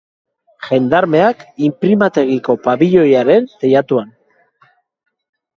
Jendarmeak inprimategiko pabiloiaren teilatuan.